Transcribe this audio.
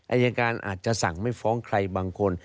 อายการอาจจะสั่งไม่ฟ้องใครบางคน